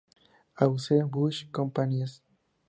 Anheuser-Busch Companies, Inc.